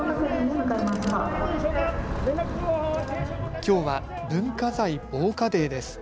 きょうは文化財防火デーです。